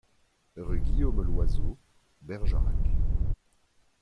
Rue Guillaume Loiseau, Bergerac